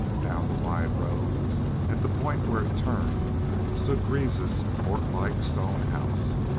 Down the wide road, at the point where it turned, stood Greaves's fort like stone house.